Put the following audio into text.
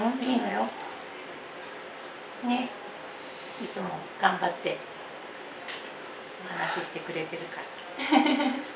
いつも頑張ってお話ししてくれてるから。